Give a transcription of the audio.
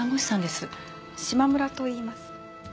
島村といいます。